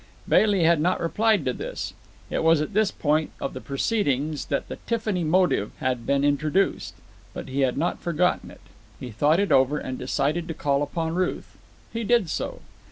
Bailey had not replied to this—it was at this point of the proceedings that the Tiffany motive had been introduced, but he had not forgotten it. He thought it over, and decided to call upon Ruth. He did so.